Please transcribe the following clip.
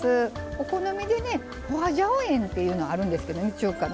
お好みで花椒塩っていうのがあるんですけど中華の。